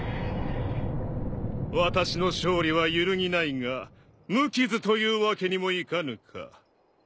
私の勝利は揺るぎないが無傷というわけにもいかぬか。